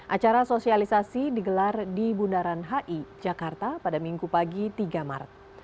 acara sosialisasi digelar di bundaran hi jakarta pada minggu pagi tiga maret